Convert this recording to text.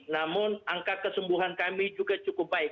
namun angka kesembuhan kami juga cukup baik